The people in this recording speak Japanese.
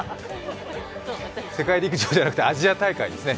世界陸上じゃなくてアジア大会ですね。